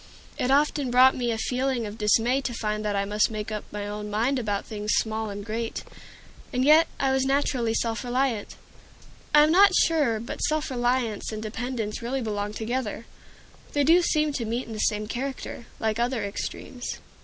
It often brought me a feeling of dismay to find that I must make up my own mind about things small and great. And yet I was naturally self reliant. I am not sure but self reliance and dependence really belong together. They do seem to meet in the same character, like other extremes.